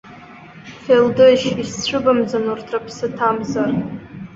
Фелдышь, исцәыбымӡан урҭ рыԥсы ҭамзар!